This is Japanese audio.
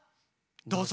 どうぞ。